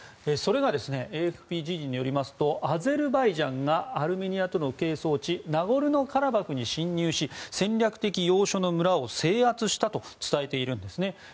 それがＡＦＰ時事によりますとアゼルバイジャンがアルメニアとの係争地ナゴルノカラバフに侵入し戦略的要所の村を制圧したと伝えているんですね。